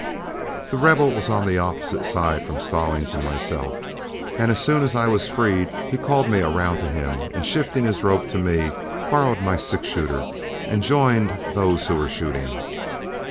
The Rebel was on the opposite side from Stallings and myself, and as soon as I was freed, he called me around to him, and shifting his rope to me, borrowed my six shooter and joined those who were shooting.